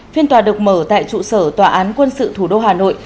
phiên tòa được mở tại trụ sở tòa án quân sự thủ đô hà nội